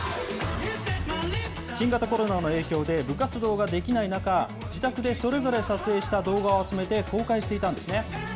新型コロナの影響で、部活動ができない中、自宅でそれぞれ撮影した動画を集めて公開していたんですね。